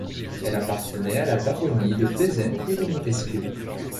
Elle appartenait à la baronnie de Pézènes et de Montesquieu.